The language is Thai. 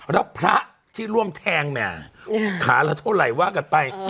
แล้วพระที่ร่วมแทงแหมขาละเท่าไหร่ว่ากันไป